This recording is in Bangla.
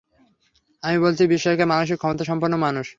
আমি বলছি বিস্ময়কর মানসিক ক্ষমতাসম্পন্ন মানুষ।